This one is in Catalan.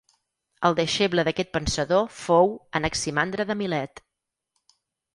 El deixeble d'aquest pensador fou, Anaximandre de Milet.